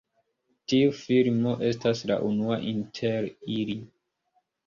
Tiu filmo estas la unua inter ili.